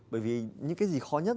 bởi vì những cái gì khó nhất